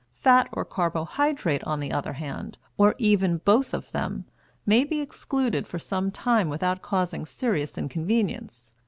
Fat or carbohydrate, on the other hand, or even both of them, may be excluded for some time without causing serious inconvenience.